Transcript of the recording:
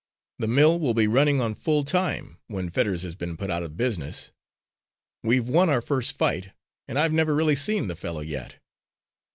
"The mill will be running on full time when Fetters has been put out of business. We've won our first fight, and I've never really seen the fellow yet."